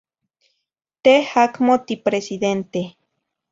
Teh acmo tipresidente.